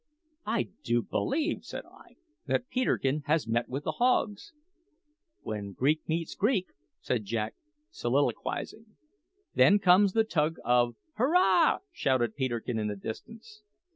"I do believe," said I, "that Peterkin has met with the hogs." "When Greek meets Greek," said Jack, soliloquising, "then comes the tug of " "Hurrah!" shouted Peterkin in the distance.